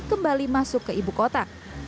kembali masuk ke ibu kota